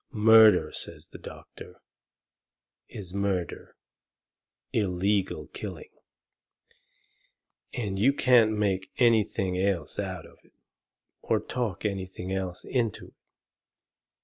"Murder," says the doctor, "is murder illegal killing and you can't make anything else out of it, or talk anything else into it."